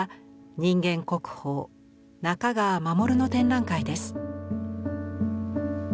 人間国宝中川衛の展覧会です。